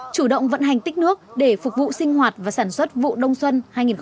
chủ động vận hành tích nước để phục vụ sinh hoạt và sản xuất vụ đông xuân hai nghìn một mươi tám hai nghìn một mươi chín